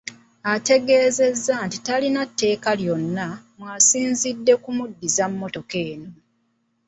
Ategezeza nti talina tteeka lyonna mw’asinzidde kumuddiza mmotoka eno.